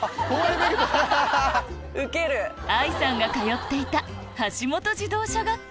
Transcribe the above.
愛さんが通っていた橋本自動車学校